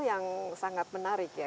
yang sangat menarik ya